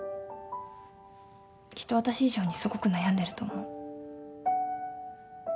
きっとわたし以上にすごく悩んでると思う。